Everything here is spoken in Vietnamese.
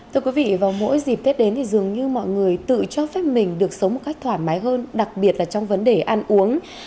thưa quý vị vào mỗi dịp tết đến thì dường như mọi người tự cho phép mình được sống một cách thoải mái hơn đặc biệt là trong vấn đề ăn uống